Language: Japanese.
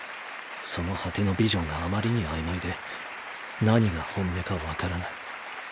その果てのビジョンがあまりに曖昧で何が本音か分からない。